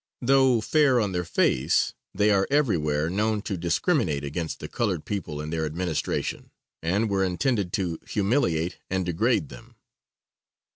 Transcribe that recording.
Though fair on their face, they are everywhere known to discriminate against the colored people in their administration, and were intended to humiliate and degrade them.